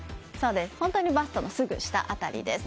本当にバストのすぐ下辺りです。